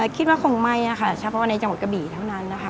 คิดว่าคงไม่ค่ะเฉพาะในจังหวัดกะบี่เท่านั้นนะคะ